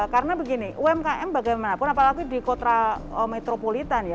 karena begini umkm bagaimanapun apalagi di kotra metropolitan ya